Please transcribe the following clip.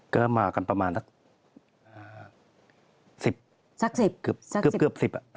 ก็มากันประมาณสัก๑๐ครับ